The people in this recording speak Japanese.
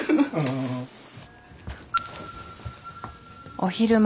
お昼前。